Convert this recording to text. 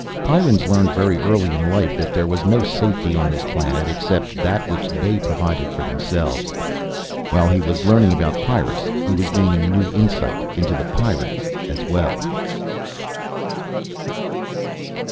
Pyrrans learned very early in life that there was no safety on this planet except that which they provided for themselves. While he was learning about Pyrrus he was gaining new insight into the Pyrrans as well.